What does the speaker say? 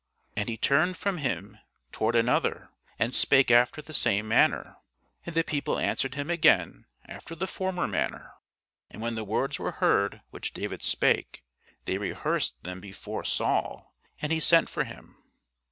And he turned from him toward another, and spake after the same manner: and the people answered him again after the former manner. And when the words were heard which David spake, they rehearsed them before Saul: and he sent for him.